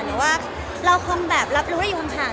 หรือว่าเราคงแบบรับรู้ได้อยู่ห่าง